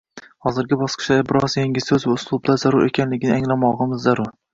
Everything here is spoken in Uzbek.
hozirgi bosqichda biroz yangi so‘z va uslublar zarur ekanligini anglamog‘imiz zarur.